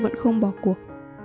vẫn không bỏ cuộc